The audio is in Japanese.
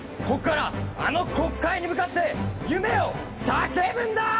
ここからあの国会に向かって夢を叫ぶんだ！